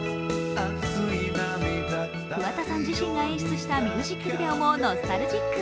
桑田さん自身が演出したミュージックビデオもノスタルジック。